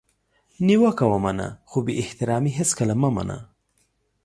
نیوکه ومنه خو بي احترامي هیڅکله مه منه!